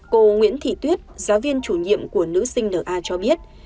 cô nguyễn thị tuyết giáo viên chủ nhiệm của nữ sinh na cho biết